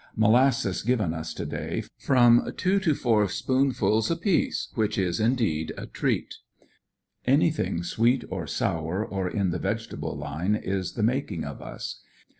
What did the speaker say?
Molasses given us to day, from two to four spoonfuls apiece, which is indeed a treat. Anything sweet or sour, or in the vegetable line, is the making of us.